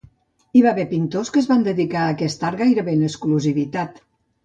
Hi va haver pintors que es van dedicar a aquest art gairebé en exclusivitat.